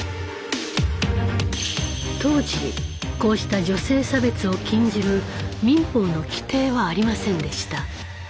当時こうした女性差別を禁じる民法の規定はありませんでした。